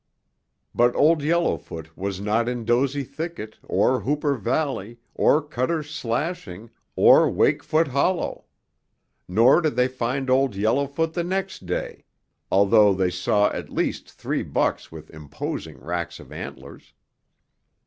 But Old Yellowfoot was not in Dozey Thicket or Hooper Valley or Cutter's Slashing or Wakefoot Hollow. Nor did they find Old Yellowfoot the next day, although they saw at least three bucks with imposing racks of antlers.